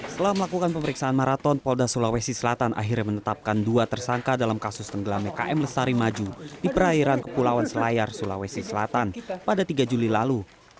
setelah melakukan pemeriksaan maraton polda sulawesi selatan akhirnya menetapkan dua tersangka dalam kasus tenggelamnya km lestari maju di perairan kepulauan selayar sulawesi selatan pada tiga juli lalu